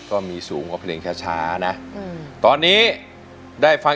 คุณยายแดงคะทำไมต้องซื้อลำโพงและเครื่องเสียง